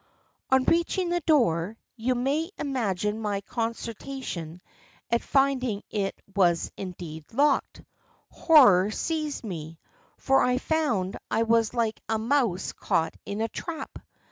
"On reaching the door, you may imagine my consternation at finding it was indeed locked. Horror seized me, for I found I was like a mouse caught in a trap.